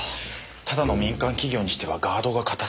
ただの民間企業にしてはガードが固すぎませんか？